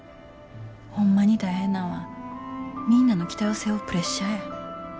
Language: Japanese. ホンマに大変なんはみんなの期待を背負うプレッシャーや。